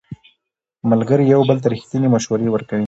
ملګري یو بل ته ریښتینې مشورې ورکوي